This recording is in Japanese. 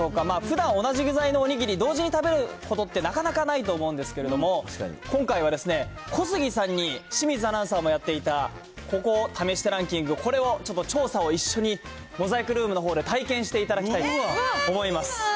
まあ、ふだん、同じ具材のおにぎり、同時に食べることって、なかなかないと思うんですけれども、今回は小杉さんに、清水アナウンサーもやっていた、ココ試してランキング、これをちょっと調査を一緒に、モザイクルームのほうで体験していただきたいと思います。